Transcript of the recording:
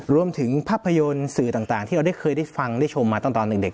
รวมถึงภาพยนตร์สื่อต่างที่เราได้เคยได้ฟังได้ชมมาตั้งแต่เด็ก